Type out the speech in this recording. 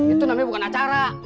itu namanya bukan acara